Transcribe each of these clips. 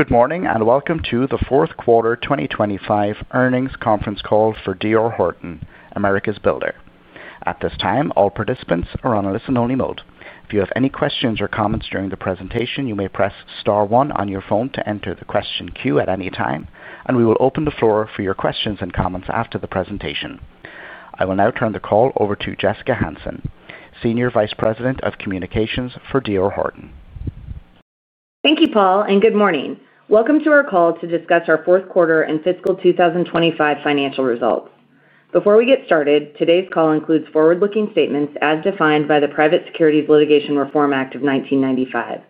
Good morning and welcome to the Fourth Quarter 2025 Earnings Conference Call for D.R. Horton, America's Builder. At this time, all participants are on a listen-only mode. If you have any questions or comments during the presentation, you may press star one on your phone to enter the question queue at any time, and we will open the floor for your questions and comments after the presentation. I will now turn the call over to Jessica Hansen, Senior Vice President of Communications for D.R. Horton. Thank you, Paul, and good morning. Welcome to our call to discuss our fourth quarter and fiscal 2025 financial results. Before we get started, today's call includes forward-looking statements as defined by the Private Securities Litigation Reform Act of 1995.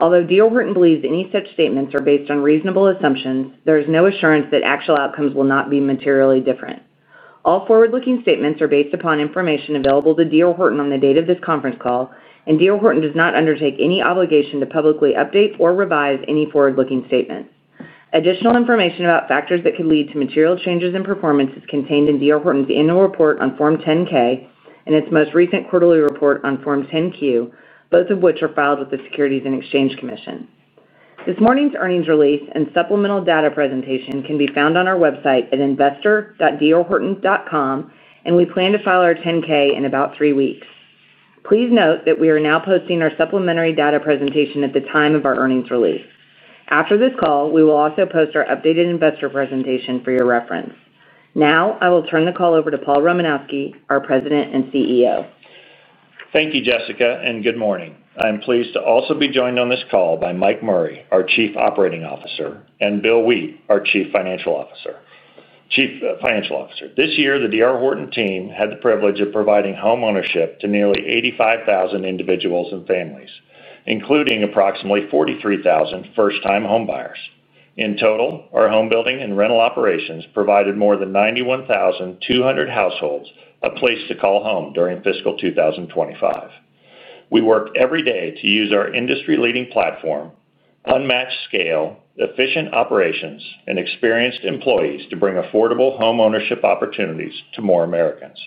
Although D.R. Horton believes any such statements are based on reasonable assumptions, there is no assurance that actual outcomes will not be materially different. All forward-looking statements are based upon information available to D.R. Horton on the date of this conference call, and D.R. Horton does not undertake any obligation to publicly update or revise any forward-looking statements. Additional information about factors that could lead to material changes in performance is contained in D.R. Horton's annual report on Form 10-K and its most recent quarterly report on Form 10-Q, both of which are filed with the Securities and Exchange Commission. This morning's earnings release and supplemental data presentation can be found on our website at investor.drhorton.com, and we plan to file our 10-K in about three weeks. Please note that we are now posting our supplementary data presentation at the time of our earnings release. After this call, we will also post our updated investor presentation for your reference. Now, I will turn the call over to Paul Romanowski, our President and CEO. Thank you, Jessica, and good morning. I am pleased to also be joined on this call by Mike Murray, our Chief Operating Officer, and Bill Wheat, our Chief Financial Officer. This year, the D.R. Horton team had the privilege of providing homeownership to nearly 85,000 individuals and families, including approximately 43,000 first-time home buyers. In total, our home building and rental operations provided more than 91,200 households a place to call home during fiscal 2025. We work every day to use our industry-leading platform, unmatched scale, efficient operations, and experienced employees to bring affordable homeownership opportunities to more Americans.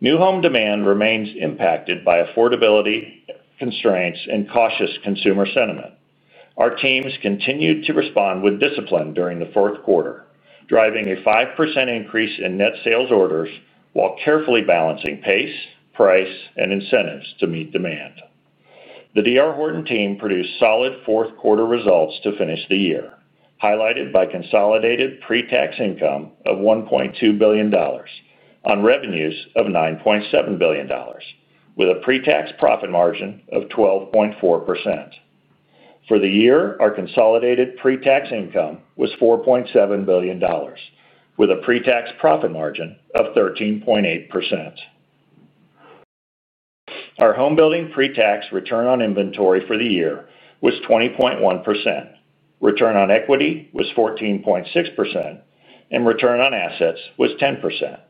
New home demand remains impacted by affordability constraints and cautious consumer sentiment. Our teams continued to respond with discipline during the fourth quarter, driving a 5% increase in net sales orders while carefully balancing pace, price, and incentives to meet demand. The D.R. Horton team produced solid fourth quarter results to finish the year, highlighted by consolidated pre-tax income of $1.2 billion on revenues of $9.7 billion, with a pre-tax profit margin of 12.4%. For the year, our consolidated pre-tax income was $4.7 billion, with a pre-tax profit margin of 13.8%. Our home building pre-tax return on inventory for the year was 20.1%, return on equity was 14.6%, and return on assets was 10%.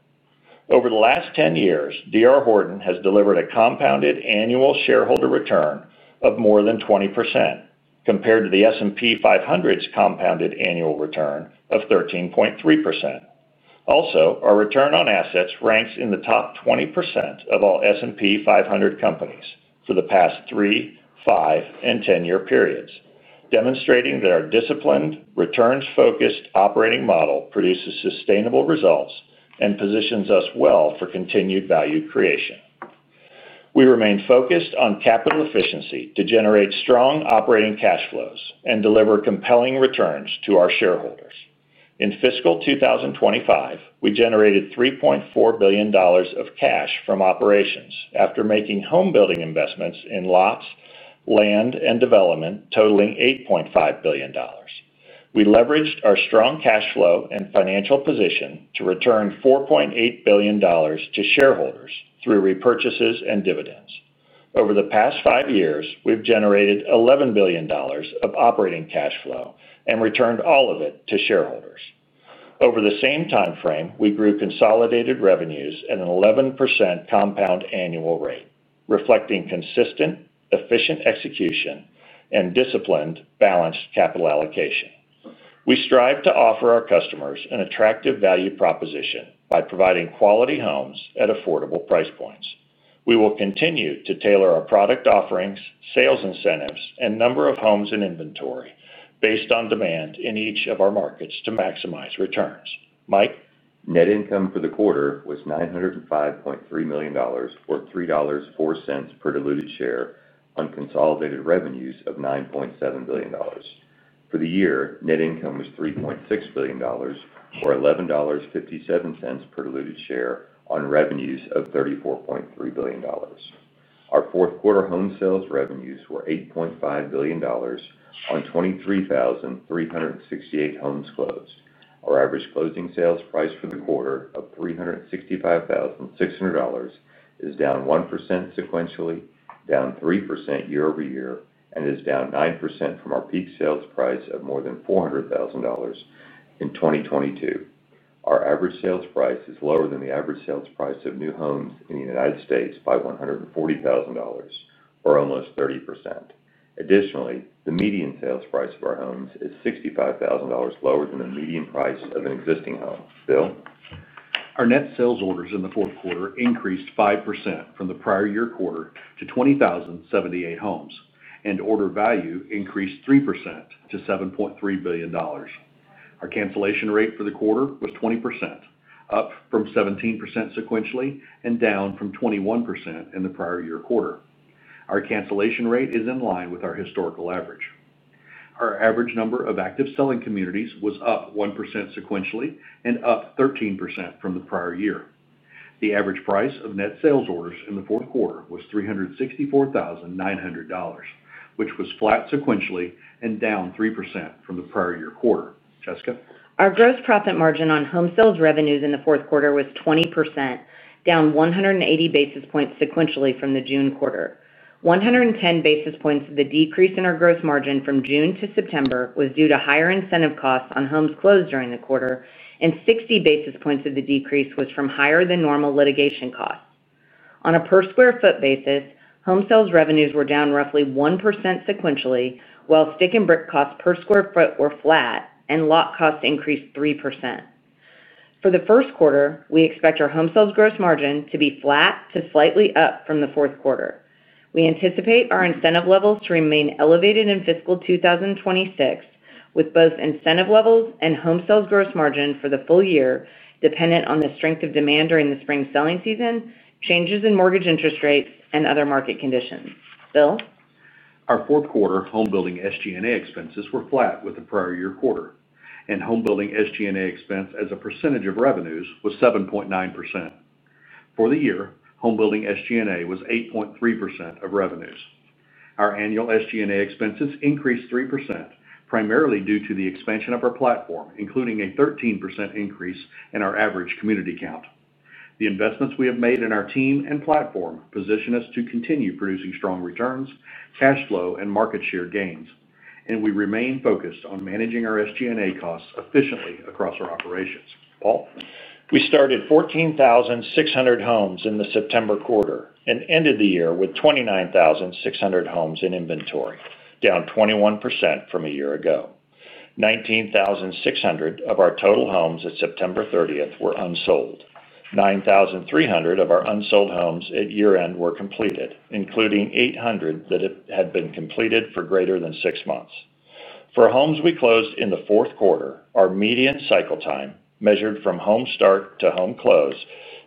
Over the last 10 years, D.R. Horton has delivered a compounded annual shareholder return of more than 20% compared to the S&P 500's compounded annual return of 13.3%. Also, our return on assets ranks in the top 20% of all S&P 500 companies for the past three, five, and ten-year periods, demonstrating that our disciplined, returns-focused operating model produces sustainable results and positions us well for continued value creation. We remain focused on capital efficiency to generate strong operating cash flows and deliver compelling returns to our shareholders. In fiscal 2025, we generated $3.4 billion of cash from operations after making home building investments in lots, land, and development totaling $8.5 billion. We leveraged our strong cash flow and financial position to return $4.8 billion to shareholders through repurchases and dividends. Over the past five years, we've generated $11 billion of operating cash flow and returned all of it to shareholders. Over the same timeframe, we grew consolidated revenues at an 11% compound annual rate, reflecting consistent, efficient execution and disciplined, balanced capital allocation. We strive to offer our customers an attractive value proposition by providing quality homes at affordable price points. We will continue to tailor our product offerings, sales incentives, and number of homes in inventory based on demand in each of our markets to maximize returns. Mike? Net income for the quarter was $905.3 million or $3.04 per diluted share on consolidated revenues of $9.7 billion. For the year, net income was $3.6 billion or $11.57 per diluted share on revenues of $34.3 billion. Our fourth quarter home sales revenues were $8.5 billion on 23,368 homes closed. Our average closing sales price for the quarter of $365,600 is down 1% sequentially, down 3% year-over-year, and is down 9% from our peak sales price of more than $400,000 in 2022. Our average sales price is lower than the average sales price of new homes in the U.S. by $140,000, or almost 30%. Additionally, the median sales price of our homes is $65,000 lower than the median price of an existing home. Bill? Our net sales orders in the fourth quarter increased 5% from the prior year quarter to 20,078 homes, and order value increased 3% to $7.3 billion. Our cancellation rate for the quarter was 20%, up from 17% sequentially and down from 21% in the prior year quarter. Our cancellation rate is in line with our historical average. Our average number of active selling communities was up 1% sequentially and up 13% from the prior year. The average price of net sales orders in the fourth quarter was $364,900, which was flat sequentially and down 3% from the prior year quarter. Jessica? Our gross profit margin on home sales revenues in the fourth quarter was 20%, down 180 basis points sequentially from the June quarter. 110 basis points of the decrease in our gross margin from June to September was due to higher incentive costs on homes closed during the quarter, and 60 basis points of the decrease was from higher than normal litigation costs. On a per square foot basis, home sales revenues were down roughly 1% sequentially, while stick and brick costs per square foot were flat, and lot costs increased 3%. For the first quarter, we expect our home sales gross margin to be flat to slightly up from the fourth quarter. We anticipate our incentive levels to remain elevated in fiscal 2026, with both incentive levels and home sales gross margin for the full year dependent on the strength of demand during the spring selling season, changes in mortgage interest rates, and other market conditions. Bill? Our fourth quarter homebuilding SG&A expenses were flat with the prior year quarter, and homebuilding SG&A expense as a percentage of revenues was 7.9%. For the year, homebuilding SG&A was 8.3% of revenues. Our annual SG&A expenses increased 3%, primarily due to the expansion of our platform, including a 13% increase in our average community count. The investments we have made in our team and platform position us to continue producing strong returns, cash flow, and market share gains, and we remain focused on managing our SG&A costs efficiently across our operations. Paul? We started 14,600 homes in the September quarter and ended the year with 29,600 homes in inventory, down 21% from a year ago. 19,600 of our total homes at September 30th were unsold. 9,300 of our unsold homes at year-end were completed, including 800 that had been completed for greater than six months. For homes we closed in the fourth quarter, our median cycle time measured from home start to home close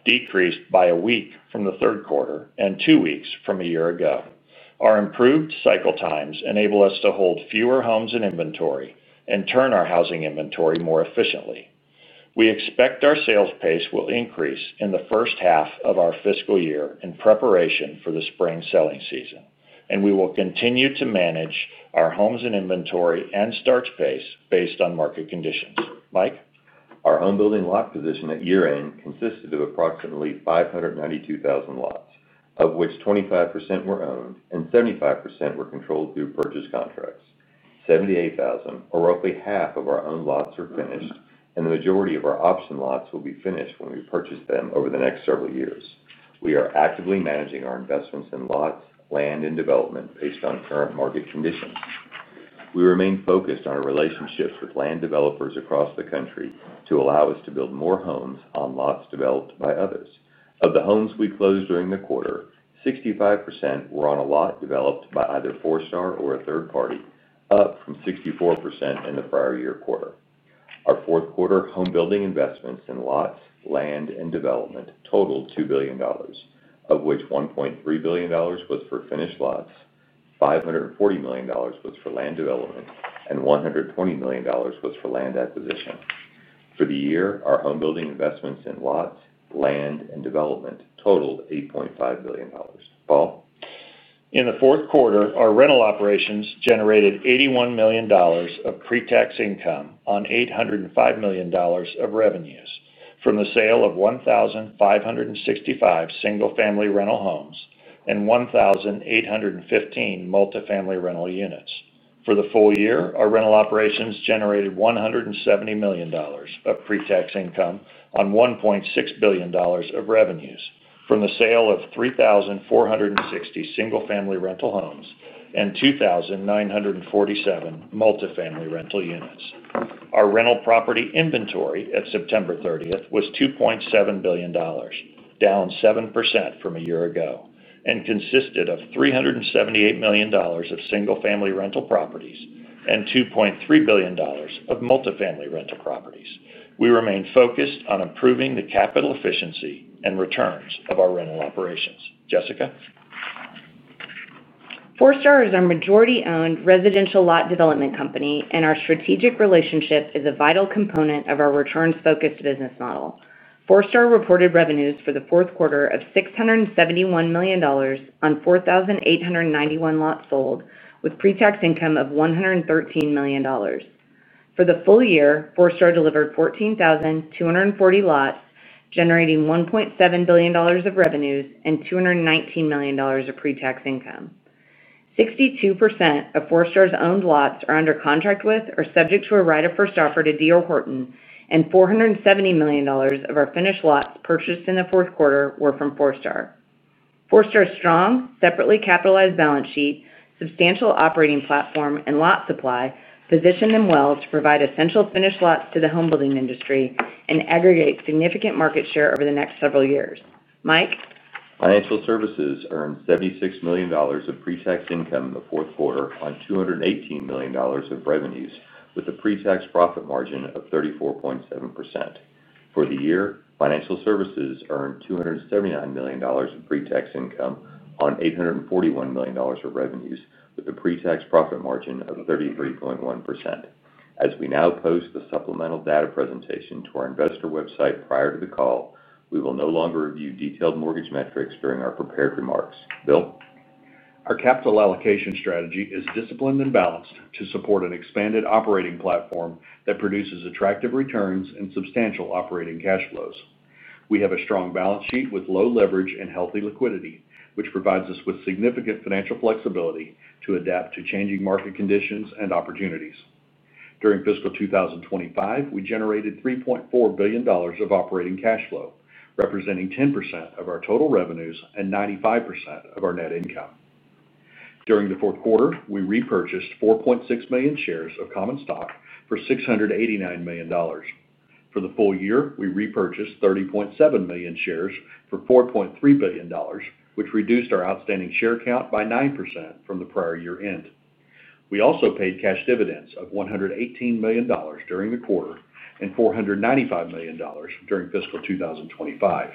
decreased by a week from the third quarter and two weeks from a year ago. Our improved cycle times enable us to hold fewer homes in inventory and turn our housing inventory more efficiently. We expect our sales pace will increase in the first half of our fiscal year in preparation for the spring selling season, and we will continue to manage our homes in inventory and starts pace based on market conditions. Mike? Our home building lot position at year-end consisted of approximately 592,000 lots, of which 25% were owned and 75% were controlled through purchase contracts. 78,000, or roughly half of our owned lots, were finished, and the majority of our option lots will be finished when we purchase them over the next several years. We are actively managing our investments in lots, land, and development based on current market conditions. We remain focused on our relationships with land developers across the country to allow us to build more homes on lots developed by others. Of the homes we closed during the quarter, 65% were on a lot developed by either Forestar or a third party, up from 64% in the prior year quarter. Our fourth quarter home building investments in lots, land, and development totaled $2 billion, of which $1.3 billion was for finished lots, $540 million was for land development, and $120 million was for land acquisition. For the year, our home building investments in lots, land, and development totaled $8.5 billion. Paul? In the fourth quarter, our rental operations generated $81 million of pre-tax income on $805 million of revenues from the sale of 1,565 single-family rental homes and 1,815 multifamily rental units. For the full year, our rental operations generated $170 million of pre-tax income on $1.6 billion of revenues from the sale of 3,460 single-family rental homes and 2,947 multifamily rental units. Our rental property inventory at September 30th was $2.7 billion, down 7% from a year ago, and consisted of $378 million of single-family rental properties and $2.3 billion of multifamily rental properties. We remain focused on improving the capital efficiency and returns of our rental operations. Jessica? Forestar is our majority-owned residential lot development company, and our strategic relationship is a vital component of our returns-focused business model. Forestar reported revenues for the fourth quarter of $671 million on 4,891 lots sold, with pre-tax income of $113 million. For the full year, Forestar delivered 14,240 lots, generating $1.7 billion of revenues and $219 million of pre-tax income. 62% of Forestar's owned lots are under contract with or subject to a right of first offer to D.R. Horton, and $470 million of our finished lots purchased in the fourth quarter were from Forestar. Forestar's strong, separately capitalized balance sheet, substantial operating platform, and lot supply position them well to provide essential finished lots to the home building industry and aggregate significant market share over the next several years. Mike? Financial services earned $76 million of pre-tax income in the fourth quarter on $218 million of revenues, with a pre-tax profit margin of 34.7%. For the year, financial services earned $279 million of pre-tax income on $841 million of revenues, with a pre-tax profit margin of 33.1%. As we now post the supplemental data presentation to our investor website prior to the call, we will no longer review detailed mortgage metrics during our prepared remarks. Bill? Our capital allocation strategy is disciplined and balanced to support an expanded operating platform that produces attractive returns and substantial operating cash flows. We have a strong balance sheet with low leverage and healthy liquidity, which provides us with significant financial flexibility to adapt to changing market conditions and opportunities. During fiscal 2025, we generated $3.4 billion of operating cash flow, representing 10% of our total revenues and 95% of our net income. During the fourth quarter, we repurchased 4.6 million shares of common stock for $689 million. For the full year, we repurchased 30.7 million shares for $4.3 billion, which reduced our outstanding share count by 9% from the prior year end. We also paid cash dividends of $118 million during the quarter and $495 million during fiscal 2025.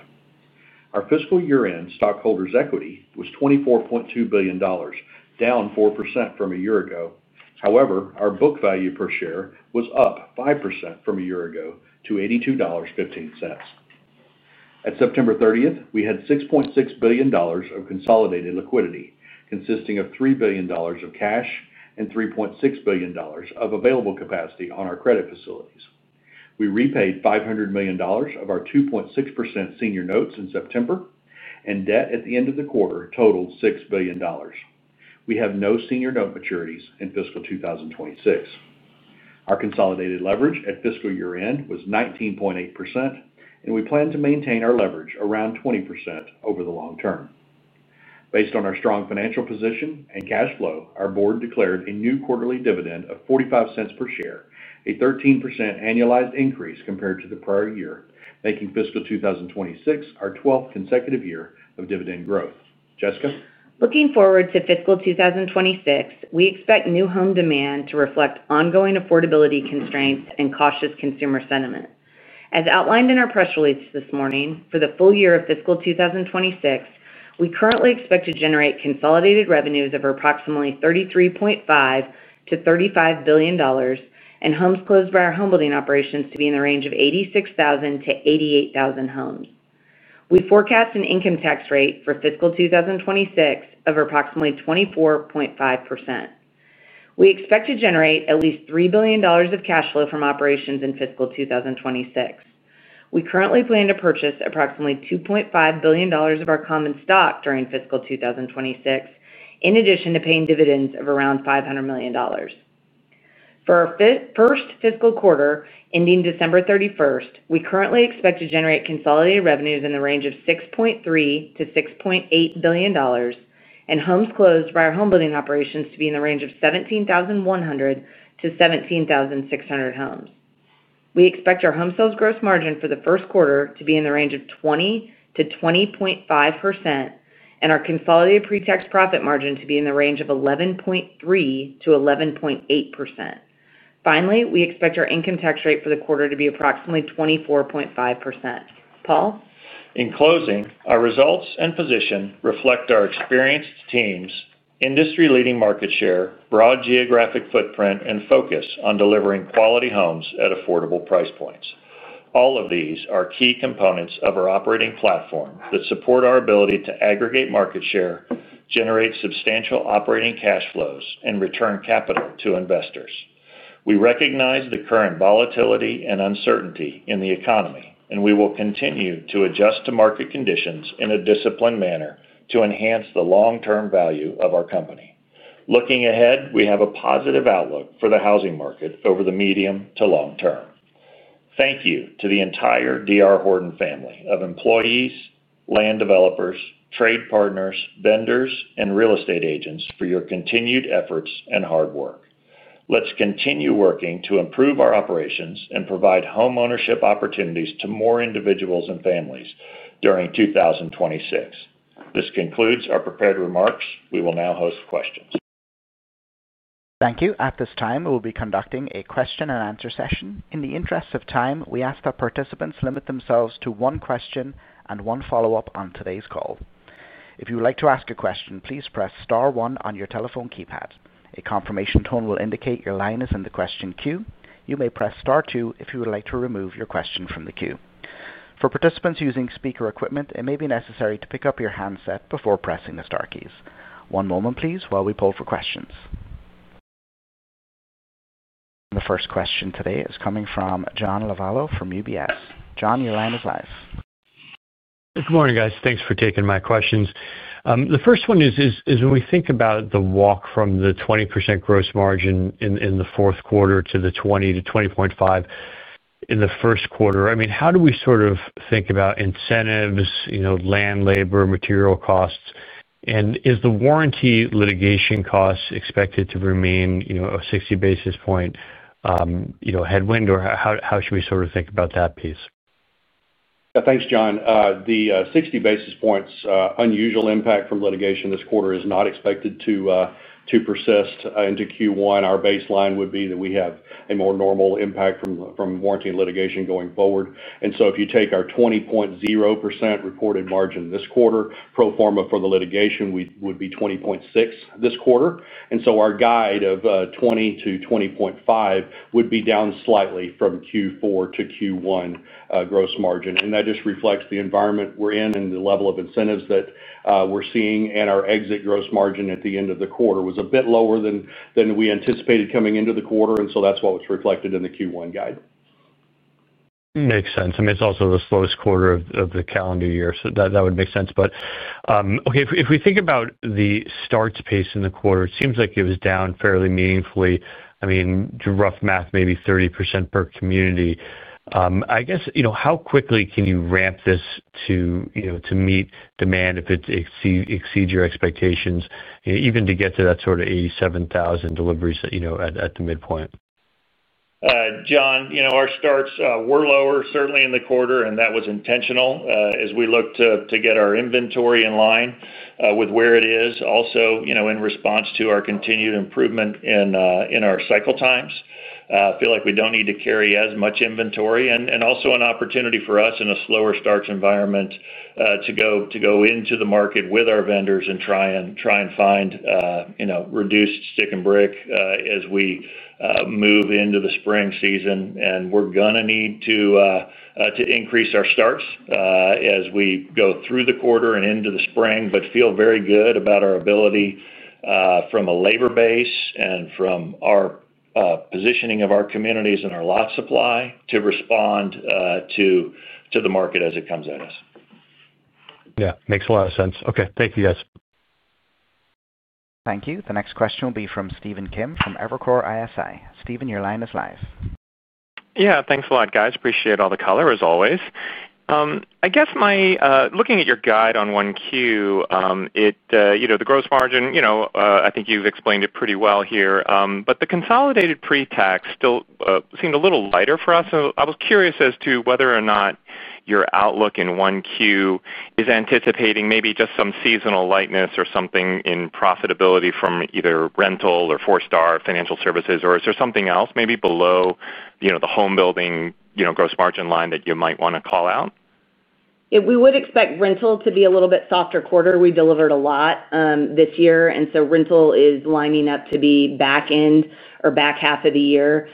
Our fiscal year-end stockholders' equity was $24.2 billion, down 4% from a year ago. However, our book value per share was up 5% from a year ago to $82.15. At September 30th, we had $6.6 billion of consolidated liquidity, consisting of $3 billion of cash and $3.6 billion of available capacity on our credit facilities. We repaid $500 million of our 2.6% senior notes in September, and debt at the end of the quarter totaled $6 billion. We have no senior note maturities in fiscal 2026. Our consolidated leverage at fiscal year-end was 19.8%, and we plan to maintain our leverage around 20% over the long term. Based on our strong financial position and cash flow, our board declared a new quarterly dividend of $0.45 per share, a 13% annualized increase compared to the prior year, making fiscal 2026 our 12th consecutive year of dividend growth. Jessica? Looking forward to fiscal 2026, we expect new home demand to reflect ongoing affordability constraints and cautious consumer sentiment. As outlined in our press release this morning, for the full year of fiscal 2026, we currently expect to generate consolidated revenues of approximately $33.5 billion-$35 billion, and homes closed by our homebuilding operations to be in the range of 86,000-88,000 homes. We forecast an income tax rate for fiscal 2026 of approximately 24.5%. We expect to generate at least $3 billion of cash flow from operations in fiscal 2026. We currently plan to purchase approximately $2.5 billion of our common stock during fiscal 2026, in addition to paying dividends of around $500 million. For our first fiscal quarter ending December 31st, we currently expect to generate consolidated revenues in the range of $6.3 billion-$6.8 billion, and homes closed by our homebuilding operations to be in the range of 17,100-17,600 homes. We expect our home sales gross margin for the first quarter to be in the range of 20%-20.5%, and our consolidated pre-tax profit margin to be in the range of 11.3%-11.8%. Finally, we expect our income tax rate for the quarter to be approximately 24.5%. Paul? In closing, our results and position reflect our experienced teams, industry-leading market share, broad geographic footprint, and focus on delivering quality homes at affordable price points. All of these are key components of our operating platform that support our ability to aggregate market share, generate substantial operating cash flows, and return capital to investors. We recognize the current volatility and uncertainty in the economy, and we will continue to adjust to market conditions in a disciplined manner to enhance the long-term value of our company. Looking ahead, we have a positive outlook for the housing market over the medium to long term. Thank you to the entire D.R. Horton family of employees, land developers, trade partners, vendors, and real estate agents for your continued efforts and hard work. Let's continue working to improve our operations and provide homeownership opportunities to more individuals and families during 2026. This concludes our prepared remarks. We will now host questions. Thank you. At this time, we'll be conducting a question-and-answer session. In the interest of time, we ask that participants limit themselves to one question and one follow-up on today's call. If you would like to ask a question, please press star one on your telephone keypad. A confirmation tone will indicate your line is in the question queue. You may press star two if you would like to remove your question from the queue. For participants using speaker equipment, it may be necessary to pick up your handset before pressing the star keys. One moment, please, while we pull for questions. The first question today is coming from John Lovallo from UBS. John, your line is live. Good morning, guys. Thanks for taking my questions. The first one is, when we think about the walk from the 20% gross margin in the fourth quarter to the 20%-20.5% in the first quarter, how do we sort of think about incentives, you know, land, labor, material costs, and is the warranty litigation costs expected to remain, you know, a 60 basis point headwind, or how should we sort of think about that piece? Yeah, thanks, John. The 60 basis points unusual impact from litigation this quarter is not expected to persist into Q1. Our baseline would be that we have a more normal impact from warranty and litigation going forward. If you take our 20.0% reported margin this quarter, pro forma for the litigation would be 20.6% this quarter. Our guide of 20%-20.5% would be down slightly from Q4 to Q1 gross margin. That just reflects the environment we're in and the level of incentives that we're seeing. Our exit gross margin at the end of the quarter was a bit lower than we anticipated coming into the quarter, and that's what was reflected in the Q1 guide. Makes sense. I mean, it's also the slowest quarter of the calendar year, so that would make sense. If we think about the starts pace in the quarter, it seems like it was down fairly meaningfully. I mean, rough math, maybe 30% per community. I guess, you know, how quickly can you ramp this to, you know, to meet demand if it exceeds your expectations, you know, even to get to that sort of 87,000 deliveries, you know, at the midpoint? John, our starts were lower, certainly in the quarter, and that was intentional as we looked to get our inventory in line with where it is. Also, in response to our continued improvement in our cycle times, I feel like we don't need to carry as much inventory. Also, an opportunity for us in a slower starts environment to go into the market with our vendors and try and find reduced stick and brick as we move into the spring season. We're going to need to increase our starts as we go through the quarter and into the spring, but feel very good about our ability from a labor base and from our positioning of our communities and our lot supply to respond to the market as it comes at us. Yeah, makes a lot of sense. Okay, thank you, guys. Thank you. The next question will be from Stephen Kim from Evercore ISI. Stephen, your line is live. Yeah, thanks a lot, guys. Appreciate all the color as always. I guess looking at your guide on Q1, you know, the gross margin, you know, I think you've explained it pretty well here, but the consolidated pre-tax still seemed a little lighter for us. I was curious as to whether or not your outlook in Q1 is anticipating maybe just some seasonal lightness or something in profitability from either rental or Forestar financial services, or is there something else maybe below, you know, the homebuilding, you know, gross margin line that you might want to call out? We would expect rental to be a little bit softer quarter. We delivered a lot this year, and rental is lining up to be back end or back half of the year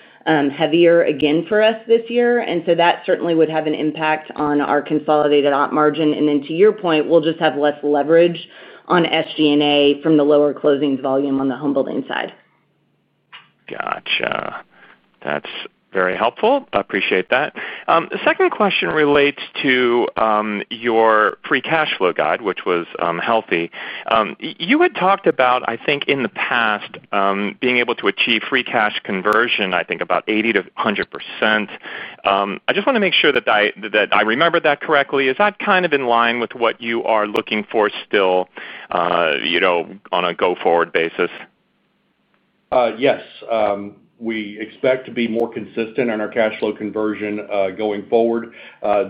heavier again for us this year. That certainly would have an impact on our consolidated op margin. To your point, we'll just have less leverage on SG&A from the lower closings volume on the homebuilding side. Gotcha. That's very helpful. I appreciate that. The second question relates to your free cash flow guide, which was healthy. You had talked about, I think, in the past, being able to achieve free cash conversion, I think about 80%-100%. I just want to make sure that I remember that correctly. Is that kind of in line with what you are looking for still, you know, on a go-forward basis? Yes, we expect to be more consistent on our cash flow conversion going forward.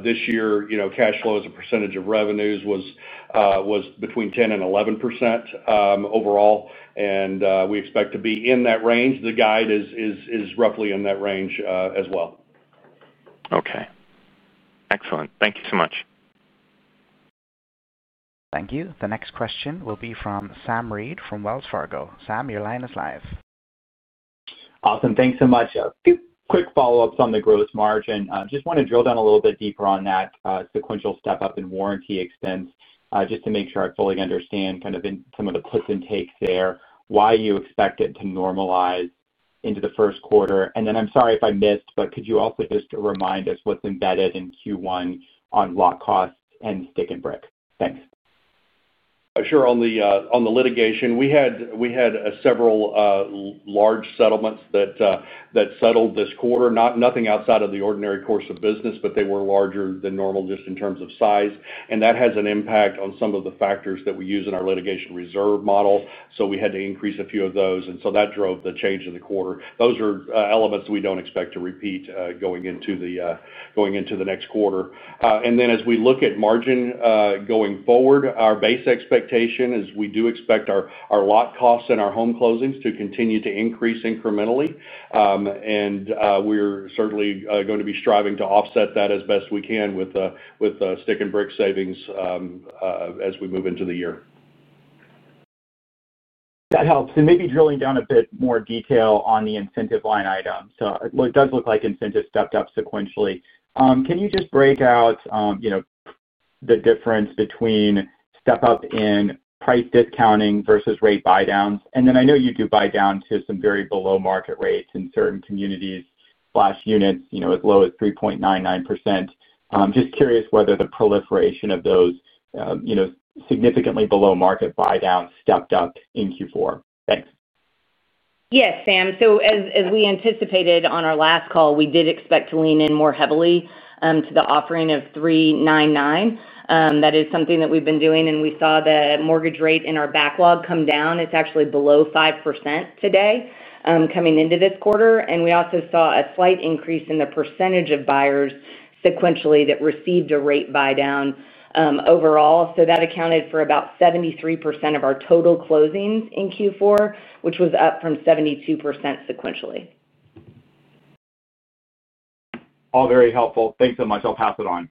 This year, cash flow as a percentage of revenues was between 10%-11% overall, and we expect to be in that range. The guide is roughly in that range as well. Okay. Excellent. Thank you so much. Thank you. The next question will be from Sam Reid from Wells Fargo. Sam, your line is live. Awesome. Thanks so much. A few quick follow-ups on the gross margin. I just want to drill down a little bit deeper on that sequential step-up in warranty expense, just to make sure I fully understand kind of some of the puts and takes there, why you expect it to normalize into the first quarter. I'm sorry if I missed, but could you also just remind us what's embedded in Q1 on lot costs and stick and brick? Thanks. Sure. On the litigation, we had several large settlements that settled this quarter. Nothing outside of the ordinary course of business, but they were larger than normal just in terms of size. That has an impact on some of the factors that we use in our litigation reserve model. We had to increase a few of those, which drove the change of the quarter. Those are elements that we don't expect to repeat going into the next quarter. As we look at margin going forward, our base expectation is we do expect our lot costs and our home closings to continue to increase incrementally. We're certainly going to be striving to offset that as best we can with stick and brick savings as we move into the year. That helps. Maybe drilling down a bit more detail on the incentive line items. It does look like incentives stepped up sequentially. Can you just break out the difference between step-up in price discounting versus rate buydowns? I know you do buydown to some very below-market rates in certain communities or units, as low as 3.99%. Just curious whether the proliferation of those significantly below-market buydowns stepped up in Q4. Thanks. Yes, Sam. As we anticipated on our last call, we did expect to lean in more heavily to the offering of 3.99%. That is something that we've been doing. We saw the mortgage rate in our backlog come down. It's actually below 5% today coming into this quarter. We also saw a slight increase in the percentage of buyers sequentially that received a rate buydown overall. That accounted for about 73% of our total closings in Q4, which was up from 72% sequentially. All very helpful. Thanks so much. I'll pass it on.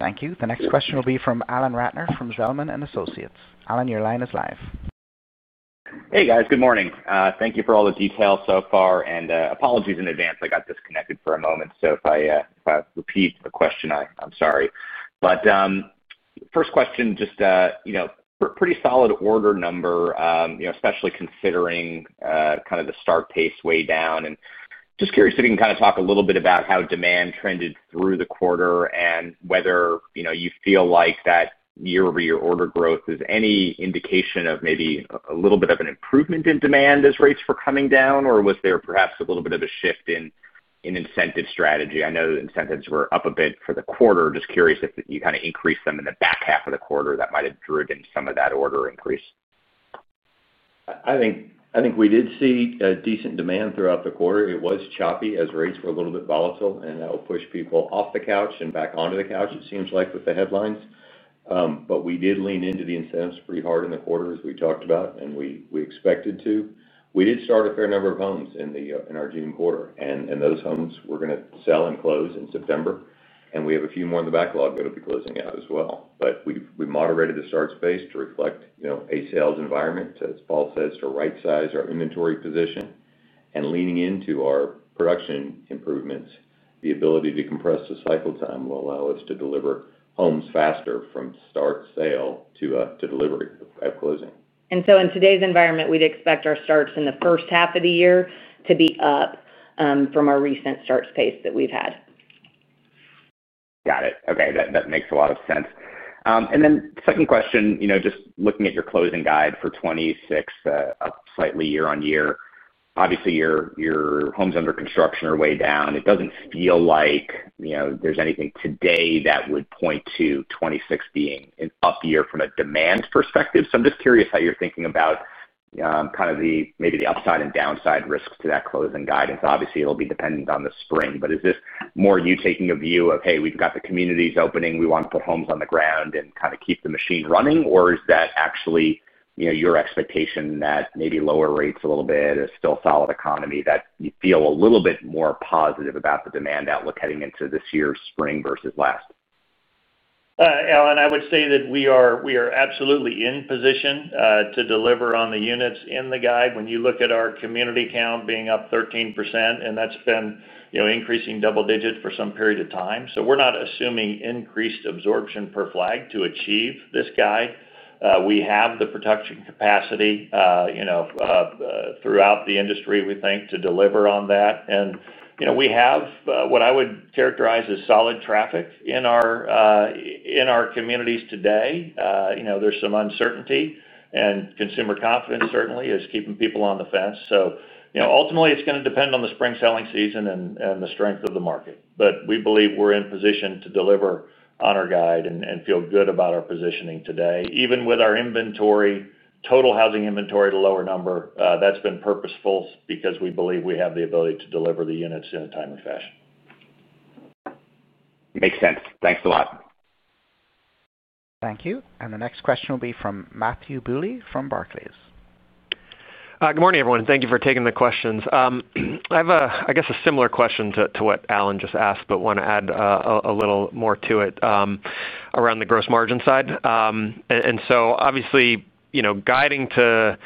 Thank you. The next question will be from Alan Ratner from Zelman & Associates. Alan, your line is live. Hey, guys. Good morning. Thank you for all the details so far. Apologies in advance. I got disconnected for a moment. If I repeat a question, I'm sorry. First question, just, you know, pretty solid order number, you know, especially considering kind of the start pace way down. Just curious if you can kind of talk a little bit about how demand trended through the quarter and whether you feel like that year-over-year order growth is any indication of maybe a little bit of an improvement in demand as rates were coming down, or was there perhaps a little bit of a shift in incentive strategy? I know the incentives were up a bit for the quarter. Just curious if you kind of increased them in the back half of the quarter that might have driven some of that order increase. I think we did see decent demand throughout the quarter. It was choppy as rates were a little bit volatile, and that will push people off the couch and back onto the couch, it seems like, with the headlines. We did lean into the incentives pretty hard in the quarter, as we talked about, and we expected to. We did start a fair number of homes in our June quarter, and those homes were going to sell and close in September. We have a few more in the backlog that'll be closing out as well. We moderated the starts pace to reflect a sales environment, as Paul says, to right-size our inventory position. Leaning into our production improvements, the ability to compress the cycle time will allow us to deliver homes faster from start sale to delivery of closing. In today's environment, we'd expect our starts in the first half of the year to be up from our recent starts pace that we've had. Got it. Okay. That makes a lot of sense. My second question, just looking at your closing guide for 2026, up slightly year-on-year. Obviously, your homes under construction are way down. It does not feel like there is anything today that would point to 2026 being an up year from a demand perspective. I am just curious how you are thinking about the upside and downside risks to that closing guide. Obviously, it will be dependent on the spring. Is this more you taking a view of, "Hey, we have got the communities opening. We want to put homes on the ground and keep the machine running"? Or is that actually your expectation that maybe lower rates a little bit, a still solid economy, that you feel a little bit more positive about the demand outlook heading into this year's spring versus last? Alan, I would say that we are absolutely in position to deliver on the units in the guide. When you look at our community count being up 13%, and that's been increasing double digits for some period of time. We're not assuming increased absorption per flag to achieve this guide. We have the production capacity throughout the industry, we think, to deliver on that. We have what I would characterize as solid traffic in our communities today. There's some uncertainty, and consumer confidence certainly is keeping people on the fence. Ultimately, it's going to depend on the spring selling season and the strength of the market. We believe we're in position to deliver on our guide and feel good about our positioning today, even with our inventory, total housing inventory at a lower number. That's been purposeful because we believe we have the ability to deliver the units in a timely fashion. Makes sense. Thanks a lot. Thank you. The next question will be from Matthew Bouley from Barclays. Good morning, everyone. Thank you for taking the questions. I have a similar question to what Alan just asked, but want to add a little more to it around the gross margin side. Obviously, you know, guiding to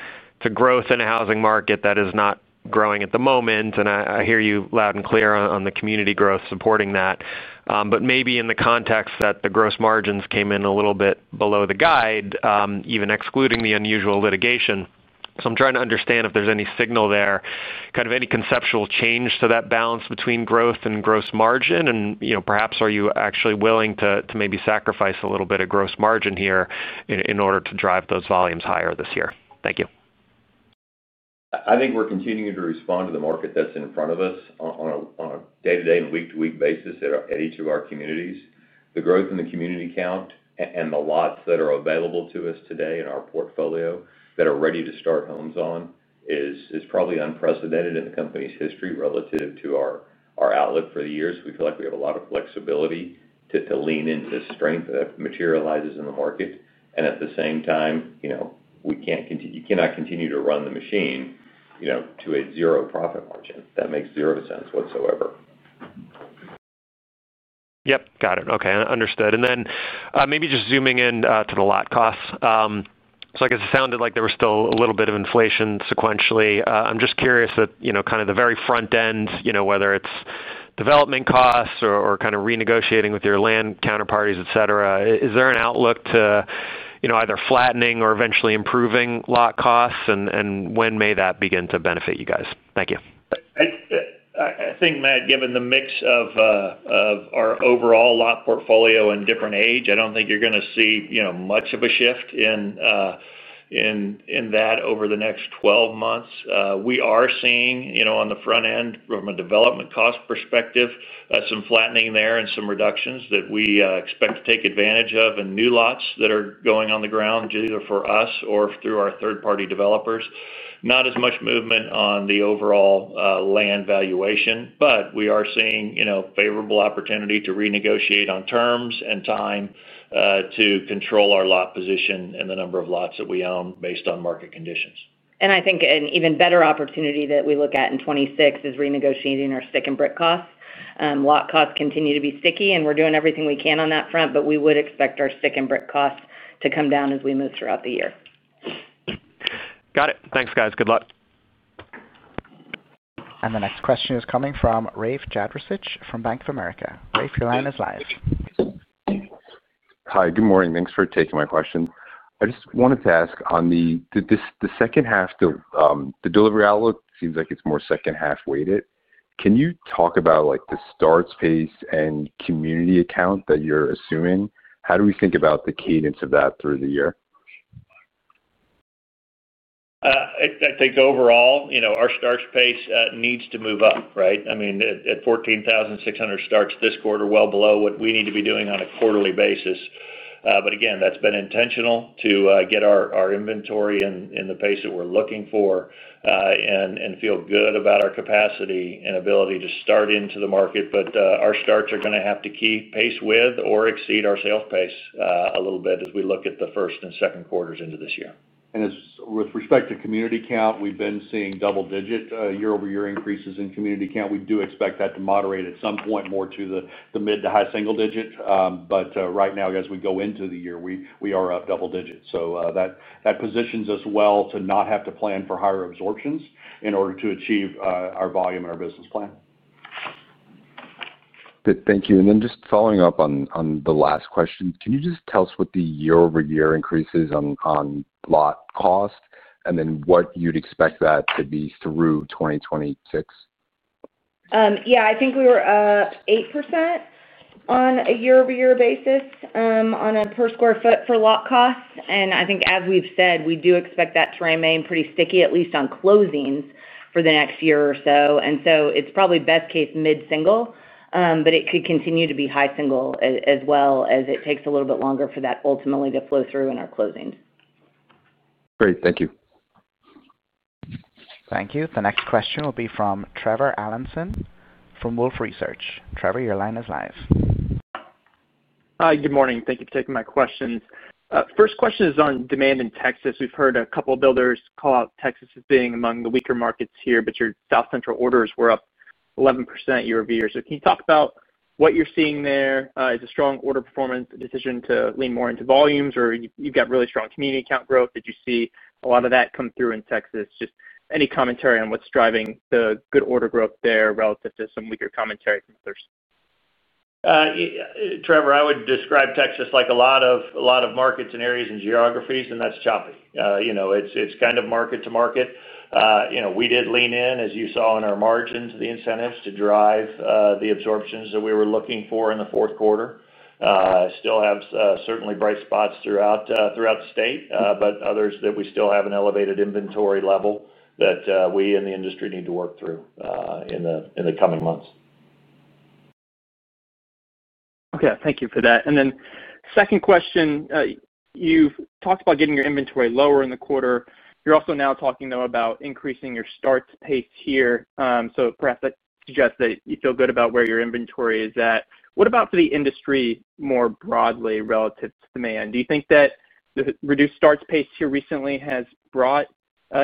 growth in a housing market that is not growing at the moment, and I hear you loud and clear on the community growth supporting that. Maybe in the context that the gross margins came in a little bit below the guide, even excluding the unusual litigation. I'm trying to understand if there's any signal there, kind of any conceptual change to that balance between growth and gross margin. Perhaps are you actually willing to maybe sacrifice a little bit of gross margin here in order to drive those volumes higher this year? Thank you. I think we're continuing to respond to the market that's in front of us on a day-to-day and week-to-week basis at each of our communities. The growth in the community count and the lots that are available to us today in our portfolio that are ready to start homes on is probably unprecedented in the company's history relative to our outlook for the years. We feel like we have a lot of flexibility to lean into the strength that materializes in the market. At the same time, you know, you cannot continue to run the machine, you know, to a zero profit margin. That makes zero sense whatsoever. Got it. Okay. Understood. Maybe just zooming in to the lot costs, I guess it sounded like there was still a little bit of inflation sequentially. I'm just curious that, you know, kind of the very front end, whether it's development costs or kind of renegotiating with your land counterparties, etc., is there an outlook to either flattening or eventually improving lot costs? When may that begin to benefit you guys? Thank you. I think, Matt, given the mix of our overall lot portfolio and different age, I don't think you're going to see much of a shift in that over the next 12 months. We are seeing, on the front end from a development cost perspective, some flattening there and some reductions that we expect to take advantage of in new lots that are going on the ground either for us or through our third-party developers. Not as much movement on the overall land valuation, but we are seeing favorable opportunity to renegotiate on terms and time to control our lot position and the number of lots that we own based on market conditions. I think an even better opportunity that we look at in 2026 is renegotiating our stick and brick costs. Lot costs continue to be sticky, and we're doing everything we can on that front, but we would expect our stick and brick costs to come down as we move throughout the year. Got it. Thanks, guys. Good luck. The next question is coming from Rafe Jadrosich from Bank of America. Rafe, your line is live. Hi. Good morning. Thanks for taking my questions. I just wanted to ask, on the second half, the delivery outlook seems like it's more second half weighted. Can you talk about the starts pace and community count that you're assuming? How do we think about the cadence of that through the year? I think overall, you know, our starts pace needs to move up, right? I mean, at 14,600 starts this quarter, it's well below what we need to be doing on a quarterly basis. Again, that's been intentional to get our inventory in the pace that we're looking for and feel good about our capacity and ability to start into the market. Our starts are going to have to keep pace with or exceed our sales pace a little bit as we look at the first and second quarters into this year. With respect to community count, we've been seeing double-digit year-over-year increases in community count. We do expect that to moderate at some point more to the mid to high single digit. Right now, as we go into the year, we are up double-digits. That positions us well to not have to plan for higher absorptions in order to achieve our volume and our business plan. Thank you. Just following up on the last question, can you tell us what the year-over-year increases on lot cost are and what you'd expect that to be through 2026? Yeah, I think we were up 8% on a year-over-year basis on a per square foot for lot costs. I think, as we've said, we do expect that to remain pretty sticky, at least on closings for the next year or so. It's probably best case mid-single, but it could continue to be high single as well, as it takes a little bit longer for that ultimately to flow through in our closings. Great. Thank you. Thank you. The next question will be from Trevor Allinson from Wolfe Research. Trevor, your line is live. Hi. Good morning. Thank you for taking my questions. First question is on demand in Texas. We've heard a couple of builders call out Texas as being among the weaker markets here, but your South Central orders were up 11% year-over-year. Can you talk about what you're seeing there? Is a strong order performance a decision to lean more into volumes, or you've got really strong community count growth? Did you see a lot of that come through in Texas? Any commentary on what's driving the good order growth there relative to some weaker commentary from others? Trevor, I would describe Texas like a lot of markets and areas and geographies, and that's choppy. It's kind of market to market. We did lean in, as you saw in our margins, the incentives to drive the absorptions that we were looking for in the fourth quarter. Still have certainly bright spots throughout the state, but others that we still have an elevated inventory level that we and the industry need to work through in the coming months. Thank you for that. Then, second question, you've talked about getting your inventory lower in the quarter. You're also now talking about increasing your starts pace here. Perhaps that suggests that you feel good about where your inventory is at. What about for the industry more broadly relative to demand? Do you think that the reduced starts pace here recently has brought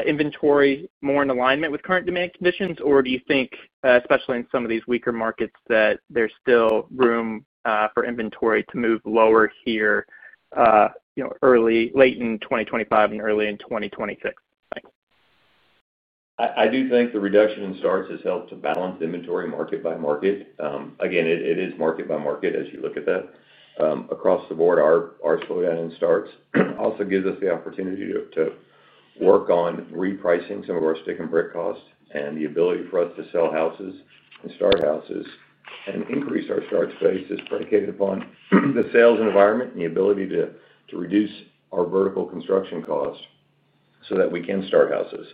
inventory more in alignment with current demand conditions, or do you think, especially in some of these weaker markets, that there's still room for inventory to move lower here, late in 2025 and early in 2026? I do think the reduction in starts has helped to balance inventory market by market. Again, it is market by market as you look at that. Across the board, our slowdown in starts also gives us the opportunity to work on repricing some of our stick and brick costs, and the ability for us to sell houses and start houses and increase our starts pace is predicated upon the sales environment and the ability to reduce our vertical construction costs so that we can start houses.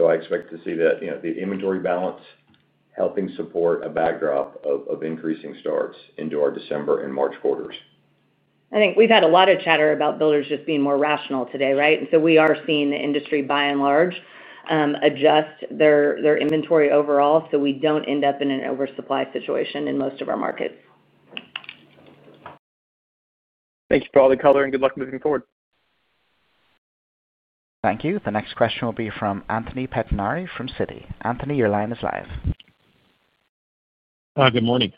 I expect to see that the inventory balance helping support a backdrop of increasing starts into our December and March quarters. I think we've had a lot of chatter about builders just being more rational today, right? We are seeing the industry by and large adjust their inventory overall so we don't end up in an oversupply situation in most of our markets. Thank you for all the color, and good luck moving forward. Thank you. The next question will be from Anthony Pettinari from Citi. Anthony, your line is live. Good morning.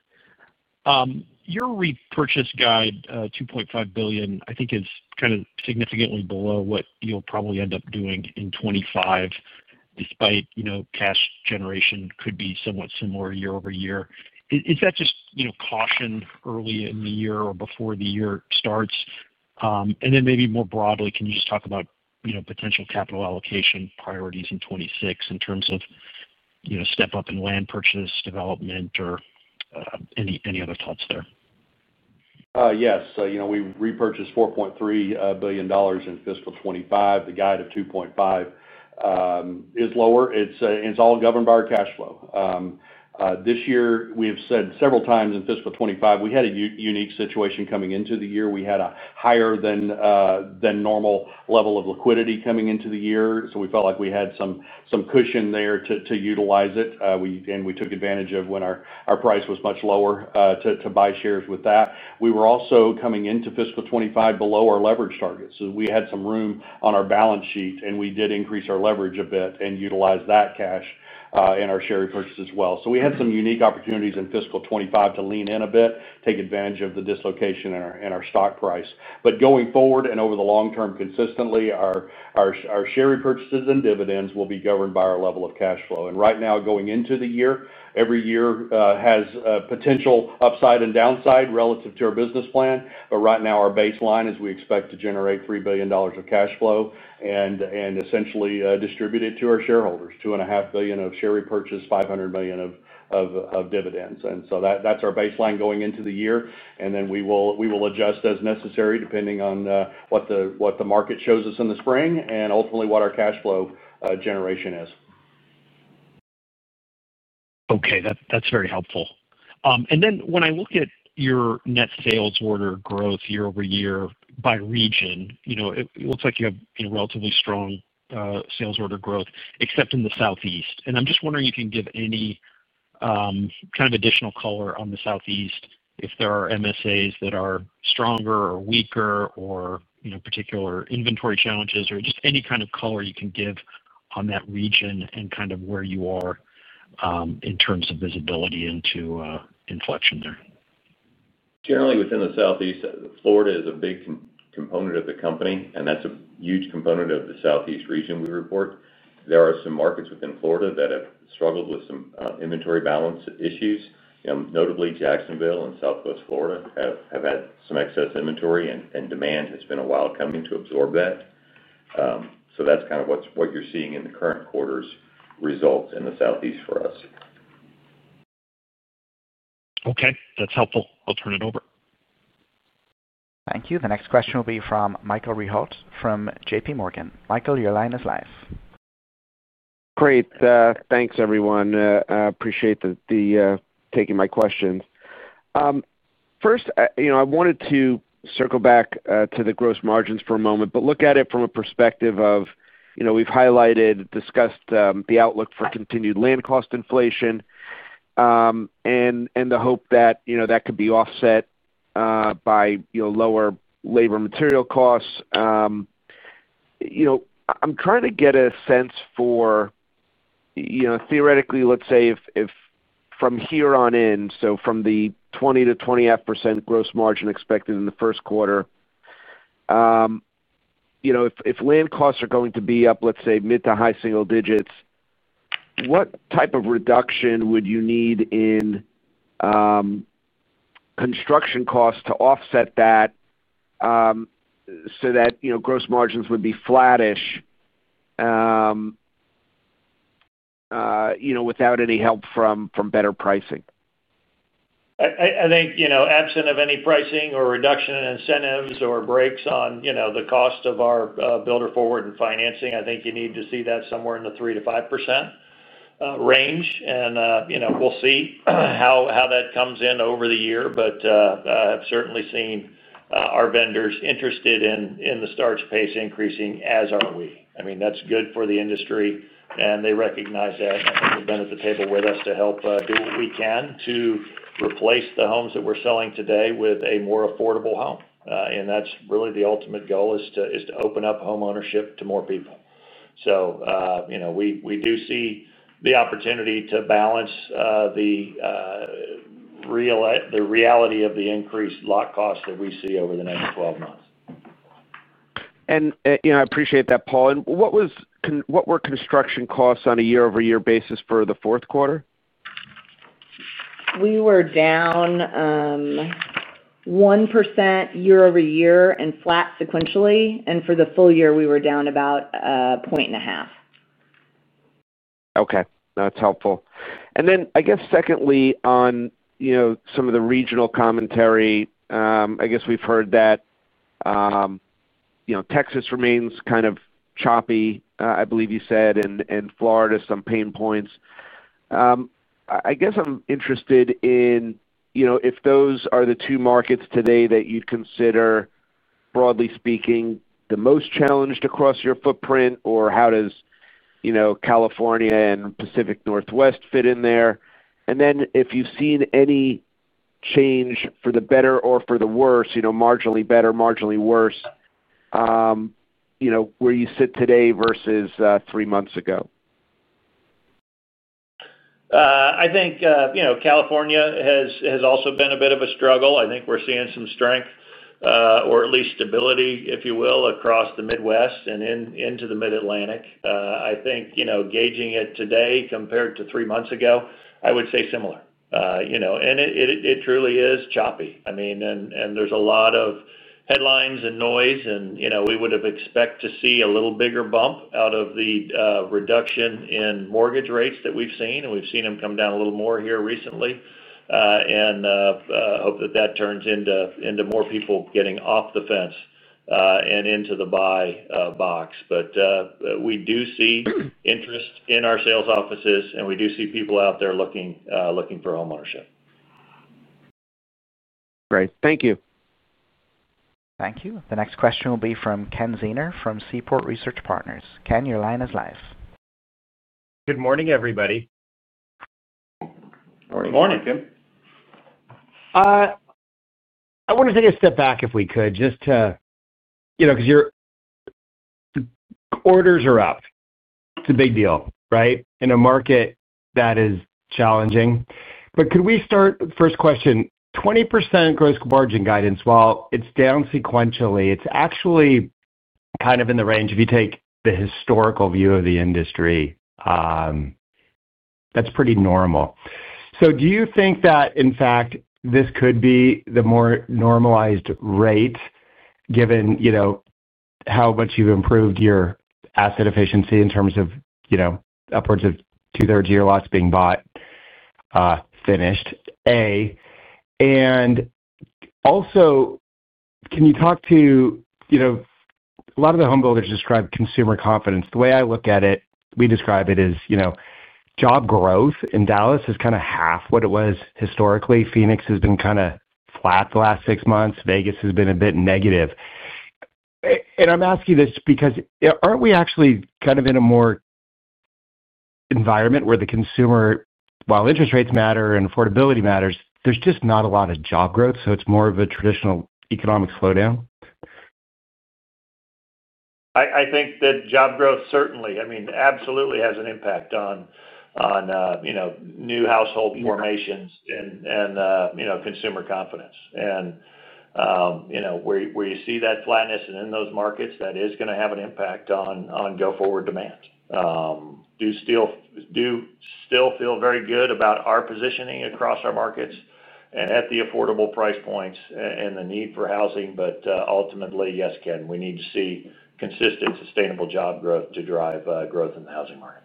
Your repurchase guide, $2.5 billion, I think is kind of significantly below what you'll probably end up doing in 2025, despite, you know, cash generation could be somewhat similar year-over-year. Is that just, you know, caution early in the year or before the year starts? Maybe more broadly, can you just talk about, you know, potential capital allocation priorities in 2026 in terms of, you know, step-up in land purchase, development, or any other thoughts there? Yes. You know, we repurchased $4.3 billion in fiscal 2025. The guide of $2.5 billion is lower. It's all governed by our cash flow. This year, we have said several times in fiscal 2025, we had a unique situation coming into the year. We had a higher than normal level of liquidity coming into the year, so we felt like we had some cushion there to utilize it. We took advantage of when our price was much lower to buy shares with that. We were also coming into fiscal 2025 below our leverage targets, so we had some room on our balance sheet, and we did increase our leverage a bit and utilize that cash in our share repurchase as well. We had some unique opportunities in fiscal 2025 to lean in a bit, take advantage of the dislocation in our stock price. Going forward and over the long term consistently, our share repurchases and dividends will be governed by our level of cash flow. Right now, going into the year, every year has potential upside and downside relative to our business plan. Right now, our baseline is we expect to generate $3 billion of cash flow and essentially distribute it to our shareholders, $2.5 billion of share repurchase, $500 million of dividends. That's our baseline going into the year. We will adjust as necessary depending on what the market shows us in the spring and ultimately what our cash flow generation is. Okay. That's very helpful. When I look at your net sales order growth year-over-year by region, it looks like you have relatively strong sales order growth except in the Southeast. I'm just wondering if you can give any kind of additional color on the Southeast, if there are MSAs that are stronger or weaker, or particular inventory challenges, or just any kind of color you can give on that region and where you are in terms of visibility into inflection there. Generally, within the Southeast, Florida is a big component of the company, and that's a huge component of the Southeast region we report. There are some markets within Florida that have struggled with some inventory balance issues. Notably, Jacksonville and Southwest Florida have had some excess inventory, and demand has been a while coming to absorb that. That is kind of what you're seeing in the current quarter's results in the Southeast for us. Okay, that's helpful. I'll turn it over. Thank you. The next question will be from Michael Rehaut from JPMorgan. Michael, your line is live. Great. Thanks, everyone. I appreciate the taking my questions. First, I wanted to circle back to the gross margins for a moment, but look at it from a perspective of, we've highlighted, discussed the outlook for continued land cost inflation and the hope that could be offset by lower labor material costs. I'm trying to get a sense for, theoretically, let's say if from here on in, so from the 20%-20.5% gross margin expected in the first quarter, if land costs are going to be up, let's say, mid to high single digits, what type of reduction would you need in construction costs to offset that so that gross margins would be flattish, without any help from better pricing? I think, absent of any pricing or reduction in incentives or breaks on the cost of our builder forward and financing, you need to see that somewhere in the 3%-5% range. We'll see how that comes in over the year. I have certainly seen our vendors interested in the starts pace increasing, as are we. That's good for the industry, and they recognize that. I think they've been at the table with us to help do what we can to replace the homes that we're selling today with a more affordable home. That's really the ultimate goal, to open up homeownership to more people. We do see the opportunity to balance the reality of the increased lot costs that we see over the next 12 months. I appreciate that, Paul. What were construction costs on a year-over-year basis for the fourth quarter? We were down 1% year-over-year and flat sequentially. For the full year, we were down about 1.5%. Okay. That's helpful. I guess secondly, on some of the regional commentary, we've heard that Texas remains kind of choppy, I believe you said, and Florida has some pain points. I'm interested in if those are the two markets today that you'd consider, broadly speaking, the most challenged across your footprint, or how does California and the Pacific Northwest fit in there? Have you seen any change for the better or for the worse, marginally better, marginally worse, where you sit today versus three months ago? I think California has also been a bit of a struggle. I think we're seeing some strength, or at least stability, if you will, across the Midwest and into the Mid-Atlantic. Gauging it today compared to three months ago, I would say similar. It truly is choppy. There are a lot of headlines and noise. We would have expected to see a little bigger bump out of the reduction in mortgage rates that we've seen. We've seen them come down a little more here recently. I hope that turns into more people getting off the fence and into the buy box. We do see interest in our sales offices, and we do see people out there looking for homeownership. Great. Thank you. Thank you. The next question will be from Ken Zehner from Seaport Research Partners. Ken, your line is live. Good morning, everybody. Morning. Morning, Tim. I want to take a step back if we could just to, you know, because your orders are up. It's a big deal, right, in a market that is challenging. Could we start? First question, 20% gross margin guidance. While it's down sequentially, it's actually kind of in the range. If you take the historical view of the industry, that's pretty normal. Do you think that, in fact, this could be the more normalized rate given, you know, how much you've improved your asset efficiency in terms of, you know, upwards of two-thirds of your lots being bought, finished? A, and also, can you talk to, you know, a lot of the home builders describe consumer confidence. The way I look at it, we describe it as, you know, job growth in Dallas is kind of half what it was historically. Phoenix has been kind of flat the last six months. Vegas has been a bit negative. I'm asking this because aren't we actually kind of in a more environment where the consumer, while interest rates matter and affordability matters, there's just not a lot of job growth? It's more of a traditional economic slowdown? I think that job growth certainly has an impact on new household formations and consumer confidence. Where you see that flatness in those markets, that is going to have an impact on go-forward demand. I do still feel very good about our positioning across our markets and at the affordable price points and the need for housing. Ultimately, yes, Ken, we need to see consistent, sustainable job growth to drive growth in the housing market.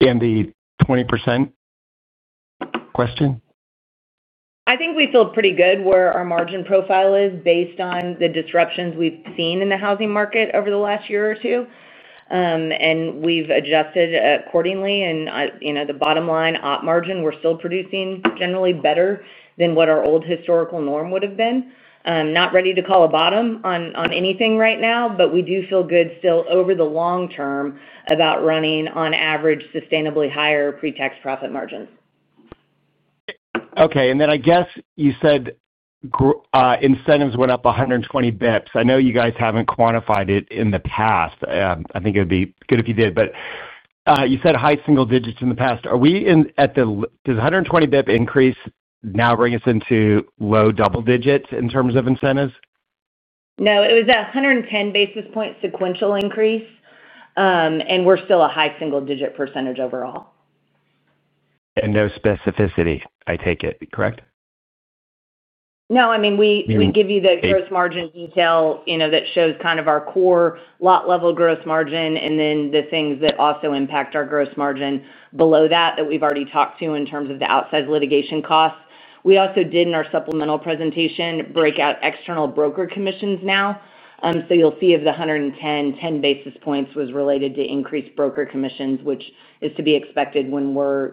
The 20% question? I think we feel pretty good where our margin profile is based on the disruptions we've seen in the housing market over the last year or two. We've adjusted accordingly. The bottom line op margin, we're still producing generally better than what our old historical norm would have been. We're not ready to call a bottom on anything right now, but we do feel good still over the long term about running on average sustainably higher pre-tax profit margins. Okay. You said incentives went up 120 basis points. I know you guys haven't quantified it in the past. I think it would be good if you did. You said high single digits in the past. Are we in at the, does 120 basis points increase now bring us into low double-digits in terms of incentives? No, it was a 110 basis point sequential increase. We're still a high single digit percentage overall. No specificity, I take it, correct? No, I mean, we give you the gross margin detail that shows kind of our core lot level gross margin and then the things that also impact our gross margin below that that we've already talked to in terms of the outside litigation costs. We also did in our supplemental presentation break out external broker commissions now. You'll see if the 110 basis points was related to increased broker commissions, which is to be expected when we're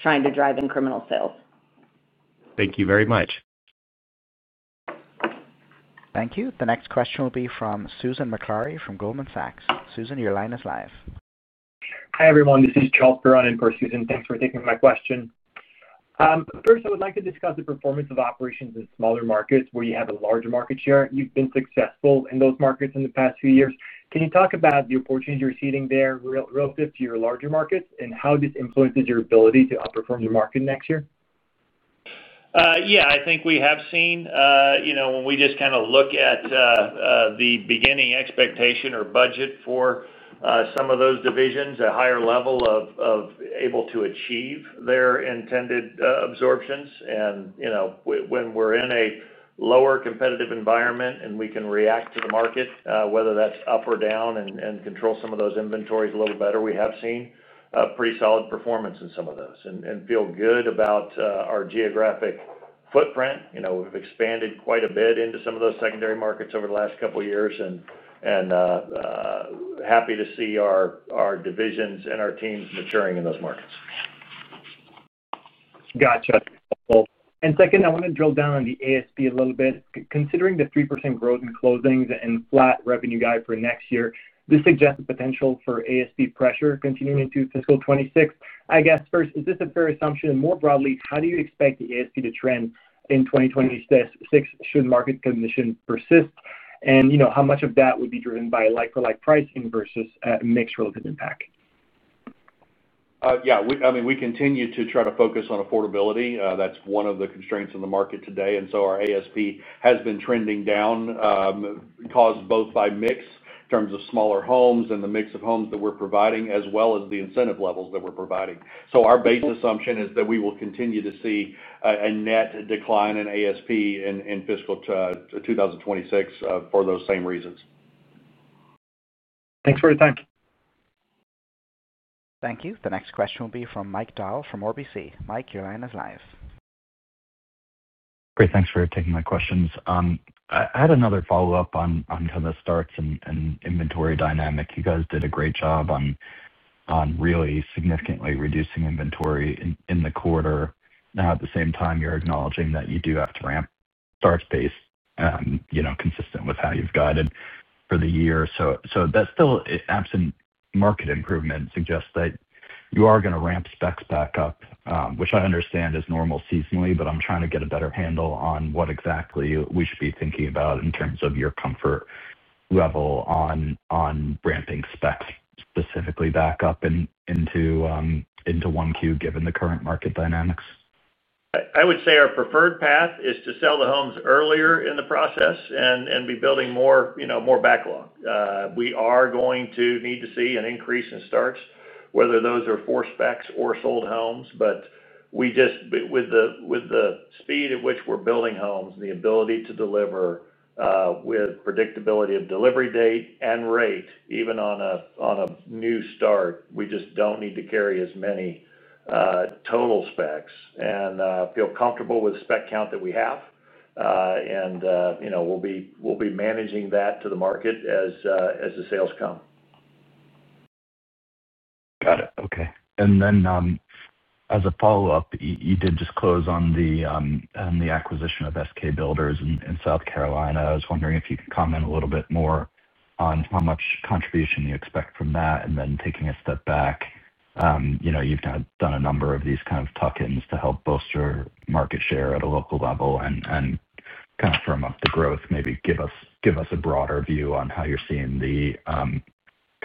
trying to drive incremental sales. Thank you very much. Thank you. The next question will be from Susan Maklari from Goldman Sachs. Susan, your line is live. Hi, everyone. This is Charles Perrone-Piché on for Susan. Thanks for taking my question. First, I would like to discuss the performance of operations in smaller markets where you have a larger market share. You've been successful in those markets in the past few years. Can you talk about the opportunity you're seeing there relative to your larger markets and how this influences your ability to outperform the market next year? Yeah, I think we have seen, you know, when we just kind of look at the beginning expectation or budget for some of those divisions, a higher level of able to achieve their intended absorptions. You know, when we're in a lower competitive environment and we can react to the market, whether that's up or down and control some of those inventories a little better, we have seen pretty solid performance in some of those and feel good about our geographic footprint. We've expanded quite a bit into some of those secondary markets over the last couple of years and happy to see our divisions and our teams maturing in those markets. Gotcha. That's helpful. Second, I want to drill down on the ASP a little bit. Considering the 3% growth in closings and flat revenue guide for next year, this suggests the potential for ASP pressure continuing into fiscal 2026. Is this a fair assumption? More broadly, how do you expect the ASP to trend in 2026 should market conditions persist? How much of that would be driven by like-for-like pricing versus a mixed relative impact? Yeah, I mean, we continue to try to focus on affordability. That's one of the constraints in the market today. Our ASP has been trending down, caused both by mix in terms of smaller homes and the mix of homes that we're providing, as well as the incentive levels that we're providing. Our base assumption is that we will continue to see a net decline in ASP in fiscal 2026 for those same reasons. Thanks for your time. Thank you. The next question will be from Mike Dahl from RBC. Mike, your line is live. Great. Thanks for taking my questions. I had another follow-up on kind of starts and inventory dynamic. You guys did a great job on really significantly reducing inventory in the quarter. At the same time, you're acknowledging that you do have to ramp starts pace, you know, consistent with how you've guided for the year. That still, absent market improvement, suggests that you are going to ramp specs back up, which I understand is normal seasonally. I'm trying to get a better handle on what exactly we should be thinking about in terms of your comfort level on ramping specs specifically back up into one queue, given the current market dynamics. I would say our preferred path is to sell the homes earlier in the process and be building more backlog. We are going to need to see an increase in starts, whether those are for specs or sold homes. With the speed at which we're building homes, the ability to deliver, with predictability of delivery date and rate, even on a new start, we just don't need to carry as many total specs and feel comfortable with the spec count that we have. We will be managing that to the market as the sales come. Got it. Okay. As a follow-up, you did just close on the acquisition of SK Builders in South Carolina. I was wondering if you could comment a little bit more on how much contribution you expect from that. Taking a step back, you've done a number of these kind of tuck-ins to help bolster market share at a local level and kind of firm up the growth. Maybe give us a broader view on how you're seeing the M&A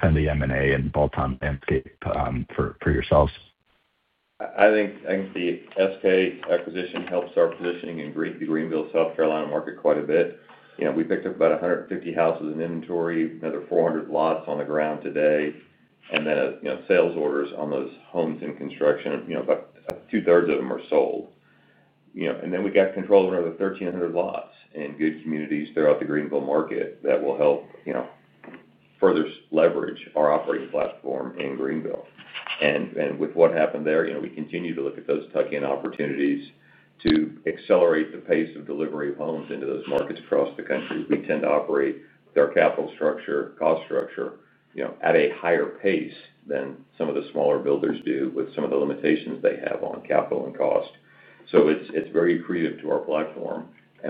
and bolt-on landscape for yourselves. I think the SK acquisition helps our positioning in the Greenville, South Carolina market quite a bit. We picked up about 150 houses in inventory, another 400 lots on the ground today, and then sales orders on those homes in construction, about two-thirds of them are sold. We got control of another 1,300 lots in good communities throughout the Greenville market that will help further leverage our operating platform in Greenville. With what happened there, we continue to look at those tuck-in opportunities to accelerate the pace of delivery of homes into those markets across the country. We tend to operate with our capital structure, cost structure, at a higher pace than some of the smaller builders do with some of the limitations they have on capital and cost. It is very creative to our platform.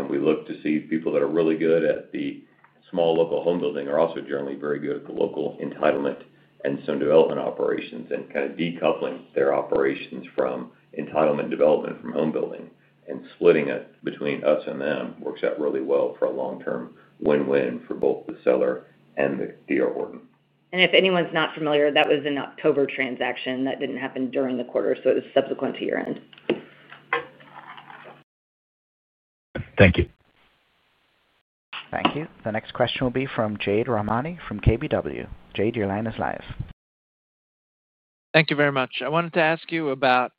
We look to see people that are really good at the small local home building are also generally very good at the local entitlement and some development operations and kind of decoupling their operations from entitlement development from home building. Splitting it between us and them works out really well for a long-term win-win for both the seller and D.R. Horton. If anyone's not familiar, that was an October transaction that didn't happen during the quarter. It was subsequent to year-end. Thank you. Thank you. The next question will be from Jade Rahmani from KBW. Jade, your line is live. Thank you very much. I wanted to ask you about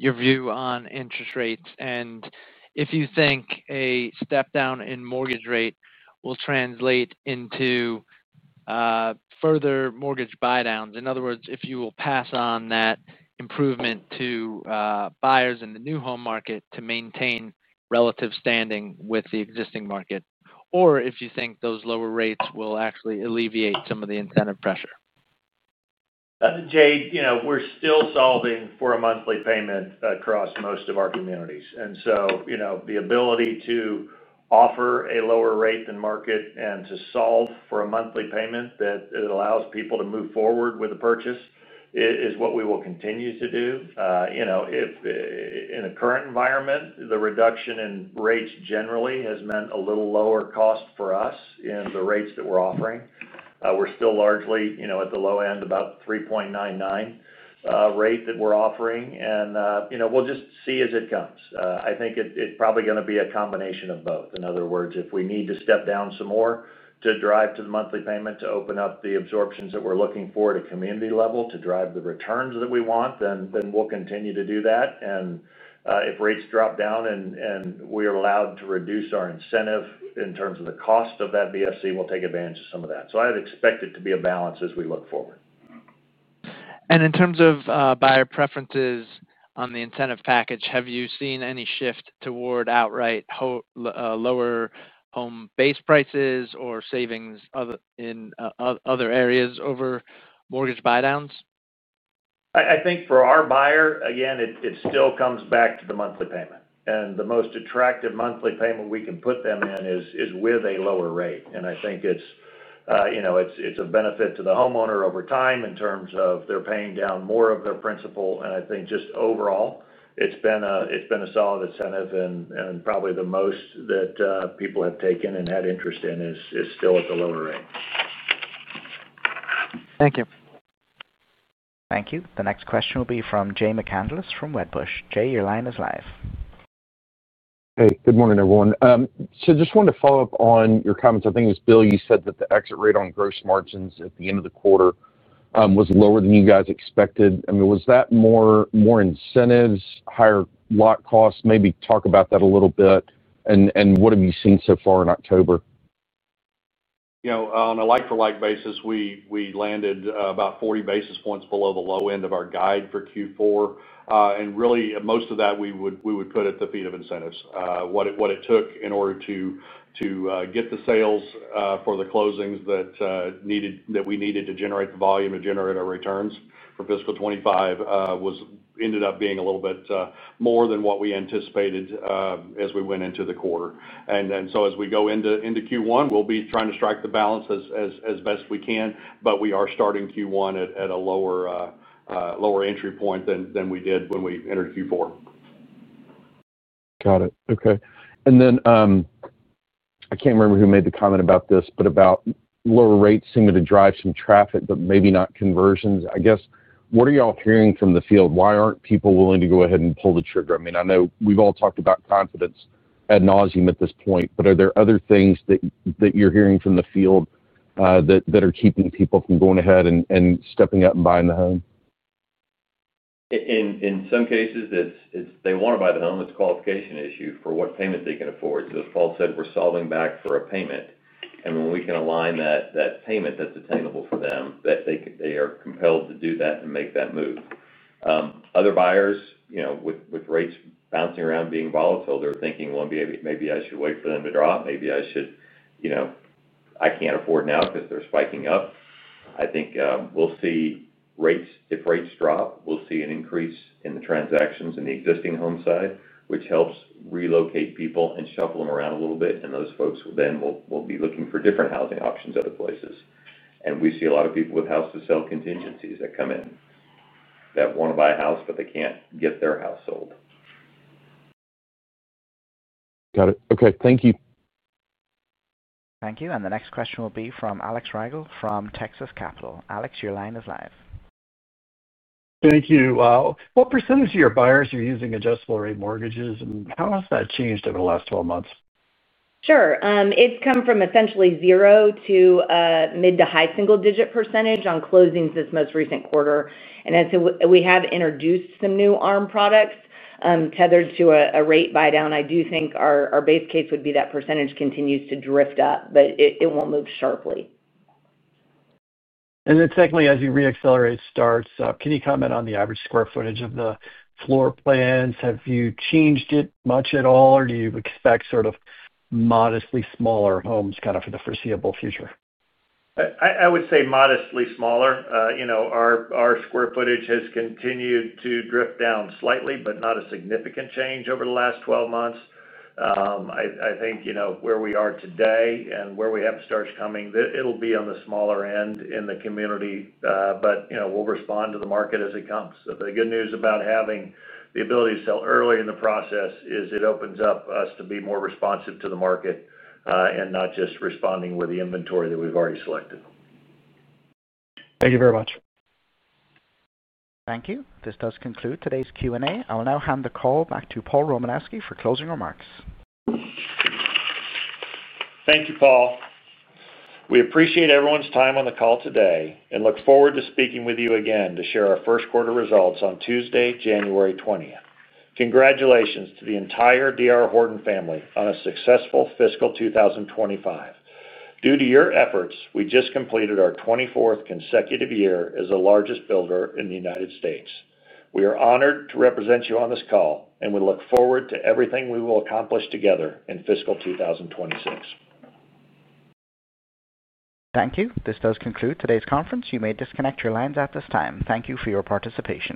your view on interest rates and if you think a step-down in mortgage rate will translate into further mortgage buydowns. In other words, if you will pass on that improvement to buyers in the new home market to maintain relative standing with the existing market, or if you think those lower rates will actually alleviate some of the incentive pressure. Jade, you know, we're still solving for a monthly payment across most of our communities. The ability to offer a lower rate than market and to solve for a monthly payment that allows people to move forward with a purchase is what we will continue to do. In a current environment, the reduction in rates generally has meant a little lower cost for us in the rates that we're offering. We're still largely, at the low end, about a 3.99% rate that we're offering. We'll just see as it comes. I think it's probably going to be a combination of both. In other words, if we need to step down some more to drive to the monthly payment to open up the absorptions that we're looking for at the community level to drive the returns that we want, we'll continue to do that. If rates drop down and we are allowed to reduce our incentive in terms of the cost of that BFC, we'll take advantage of some of that. I would expect it to be a balance as we look forward. In terms of buyer preferences on the incentive package, have you seen any shift toward outright lower home base prices or savings in other areas over mortgage buydowns? I think for our buyer, it still comes back to the monthly payment. The most attractive monthly payment we can put them in is with a lower rate. I think it's a benefit to the homeowner over time in terms of they're paying down more of their principal. Overall, it's been a solid incentive. Probably the most that people have taken and had interest in is still at the lower range. Thank you. Thank you. The next question will be from Jay McCanless from Wedbush. Jay, your line is live. Good morning, everyone. I just wanted to follow up on your comments. I think it was Bill. You said that the exit rate on gross margins at the end of the quarter was lower than you guys expected. Was that more incentives, higher lot costs? Maybe talk about that a little bit. What have you seen so far in October? You know, on a like-for-like basis, we landed about 40 basis points below the low end of our guide for Q4. Really, most of that we would put at the feet of incentives. What it took in order to get the sales for the closings that we needed to generate the volume and generate our returns for fiscal 2025 ended up being a little bit more than what we anticipated as we went into the quarter. As we go into Q1, we'll be trying to strike the balance as best we can, but we are starting Q1 at a lower entry point than we did when we entered Q4. Got it. Okay. I can't remember who made the comment about this, about lower rates seeming to drive some traffic, but maybe not conversions. I guess, what are you all hearing from the field? Why aren't people willing to go ahead and pull the trigger? I mean, I know we've all talked about confidence ad nauseam at this point, but are there other things that you're hearing from the field that are keeping people from going ahead and stepping up and buying the home? In some cases, they want to buy the home. It's a qualification issue for what payment they can afford. As Paul said, we're solving back for a payment. When we can align that payment that's attainable for them, they are compelled to do that and make that move. Other buyers, with rates bouncing around being volatile, are thinking, maybe I should wait for them to drop. Maybe I should, you know, I can't afford now because they're spiking up. I think if rates drop, we'll see an increase in the transactions in the existing home side, which helps relocate people and shuffle them around a little bit. Those folks then will be looking for different housing options at other places. We see a lot of people with house-to-sell contingencies that come in that want to buy a house, but they can't get their house sold. Got it. Okay. Thank you. Thank you. The next question will be from Alex Rygiel from Texas Capital. Alexander, your line is live. Thank you. What percentage of your buyers are using adjustable rate mortgages? How has that changed over the last 12 months? Sure. It's come from essentially zero to a mid to high single-digit percentage on closings this most recent quarter. We have introduced some new ARM products tethered to a rate buydown. I do think our base case would be that % continues to drift up, but it won't move sharply. As you reaccelerate starts, can you comment on the average square footage of the floor plans? Have you changed it much at all, or do you expect sort of modestly smaller homes for the foreseeable future? I would say modestly smaller. Our square footage has continued to drift down slightly, but not a significant change over the last 12 months. I think where we are today and where we have starts coming, it'll be on the smaller end in the community. We'll respond to the market as it comes. The good news about having the ability to sell early in the process is it opens up us to be more responsive to the market and not just responding with the inventory that we've already selected. Thank you very much. Thank you. This does conclude today's Q&A. I will now hand the call back to Paul Romanowski for closing remarks. Thank you, Paul. We appreciate everyone's time on the call today and look forward to speaking with you again to share our first quarter results on Tuesday, January 20th. Congratulations to the entire D.R. Horton family on a successful fiscal 2025. Due to your efforts, we just completed our 24th consecutive year as the largest builder in the United States. We are honored to represent you on this call, and we look forward to everything we will accomplish together in fiscal 2026. Thank you. This does conclude today's conference. You may disconnect your lines at this time. Thank you for your participation.